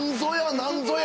何ぞや？